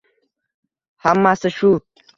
Hammasi shu